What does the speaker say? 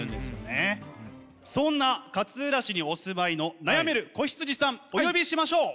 そんな勝浦市にお住まいの悩める子羊さんお呼びしましょう！